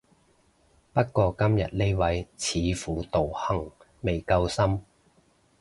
不過今日呢位似乎道行未夠深